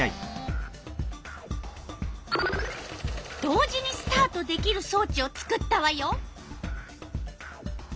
同時にスタートできるそうちを作ったわよ。